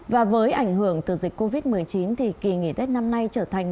và với ảnh hưởng từ dịch covid một mươi chín thì kỳ nghỉ tết năm nay trở thành